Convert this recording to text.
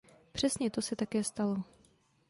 Přesně to se také stalo.